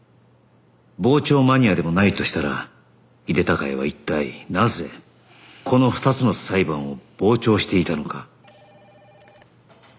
傍聴マニアでもないとしたら井手孝也は一体なぜこの２つの裁判を傍聴していたのか